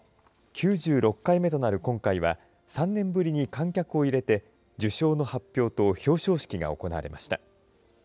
９６回目となる今回は３年ぶりに観客を入れて受賞の発表と表彰式が行われました。